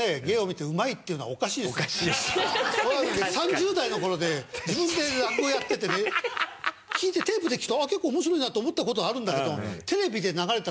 ３０代の頃で自分で落語やっててねテープで聴くとああ結構面白いなと思った事はあるんだけど。